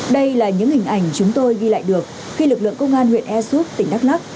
đây là những hình ảnh chúng tôi ghi lại được khi lực lượng công an huyện ea súp tỉnh đắk lắc